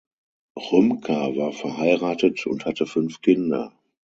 Rümker war verheiratet und hatte fünf Kinder.